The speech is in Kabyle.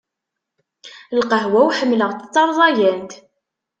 Lqahwa-w, ḥemmleɣ-tt d tarẓagant.